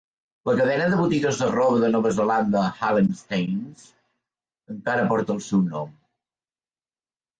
La cadena de botigues de roba de Nova Zelanda, Hallensteins, encara porta el seu nom.